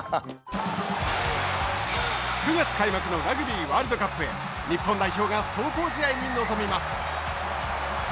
９月開幕のラグビーワールドカップへ日本代表が壮行試合に臨みます。